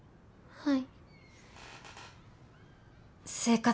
はい。